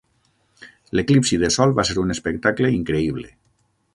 L'eclipsi de sol va ser un espectacle increïble.